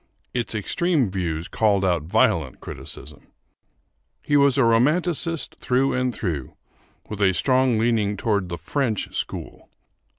Its extreme views called out violent criticism. He was a romanticist through and through, with a strong leaning toward the French school.